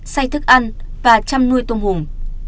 xay thức ăn và chăm nuôi tôm hùng